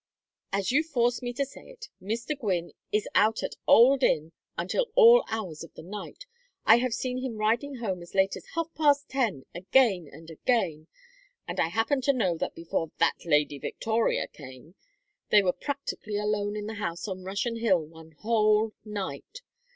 As you force me to say it, Mr. Gwynne is out at Old Inn until all hours of the night. I have seen him riding home as late as half past ten again and again. And I happen to know that before that Lady Victoria came, they were practically alone in the house on Russian Hill one whole night.